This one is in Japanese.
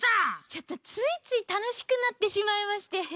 ちょっとついついたのしくなってしまいまして。